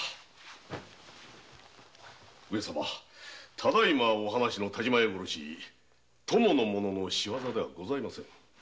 ただいまの但馬屋殺し供の者の仕業ではございません。